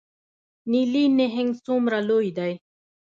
نیلي نهنګ څومره لوی دی؟